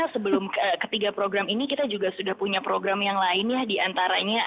iya jadi sebenarnya sebelum ketiga program ini kita juga sudah punya program yang lainnya diantara program ini